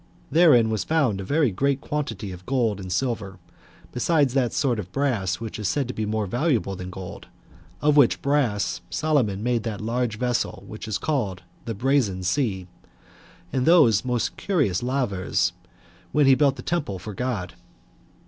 Therein was found a very great quantity of gold and silver, besides that sort of brass which is said to be more valuable than gold; of which brass Solomon made that large vessel which was called The [Brazen] Sea, and those most curious lavers, when he built the temple for God.